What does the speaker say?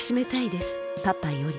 パパより」。